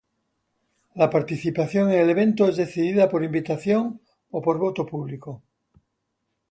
La participación en el evento es decidida por invitación o por voto público.